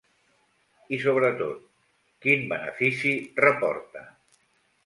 I sobretot: ¿quin benefici reporta?